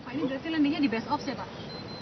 pemerintah di bso pak